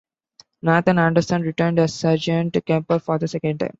Nathan Anderson returned as Sergeant Kemper for the second time.